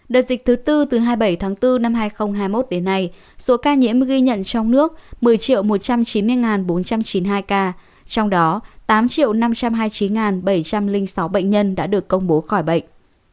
đợt dịch thứ tư từ hai mươi bảy tháng bốn năm hai nghìn hai mươi một đến nay số ca nhiễm ghi nhận trong nước một mươi một trăm chín mươi bốn trăm chín mươi hai ca trong đó tám năm trăm hai mươi chín bảy trăm linh sáu bệnh nhân đã được công bố khỏi bệnh